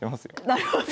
なるほど。